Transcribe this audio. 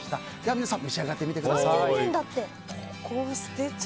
皆さん召し上がってみてください。